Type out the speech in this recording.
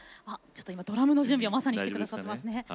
今ドラムの準備をまさにして下さってますね。